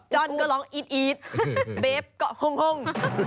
จ้อนก็ร้องอีดเบฟเกาะห้อง